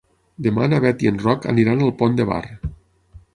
Demà na Bet i en Roc aniran al Pont de Bar.